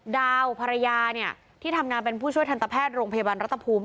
ดาวภรรยาเนี่ยที่ทำงานเป็นผู้ช่วยทันตแพทย์โรงพยาบาลรัฐภูมิ